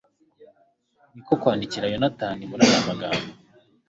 ni ko kwandikira yonatani muri aya magambo